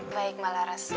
baik mbak laras